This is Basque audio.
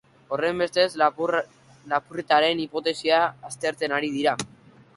Horrenbestez, lapurretaren hipotesia aztertzen ari dira.